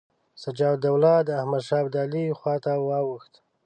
شجاع الدوله د احمدشاه ابدالي خواته واوښت.